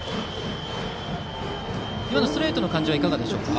ストレートの感じはいかがでしょうか。